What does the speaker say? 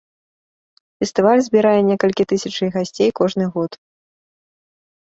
Фестываль збірае некалькі тысячай гасцей кожны год.